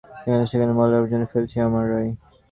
যেখানে সেখানে ময়লা আবর্জনা ফেলছি আমরাই।